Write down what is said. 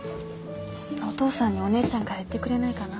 お父さんにお姉ちゃんから言ってくれないかな？